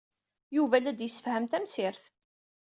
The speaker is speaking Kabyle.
Yuba la d-yessefham tamsirt.